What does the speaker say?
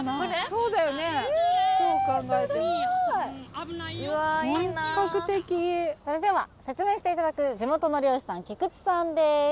そうだよねどう考えてもうわいいな本格的それでは説明していただく地元の漁師さん菊池さんです